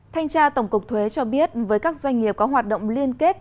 thanh tra tổng cục thuế cho biết với các doanh nghiệp có hoạt động liên kết